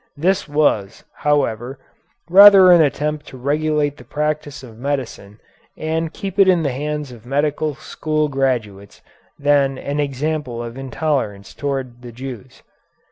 This was, however, rather an attempt to regulate the practice of medicine and keep it in the hands of medical school graduates than an example of intolerance towards the Jews.